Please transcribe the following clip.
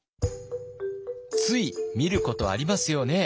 つい見ることありますよね？